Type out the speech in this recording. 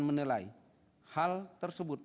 menilai hal tersebut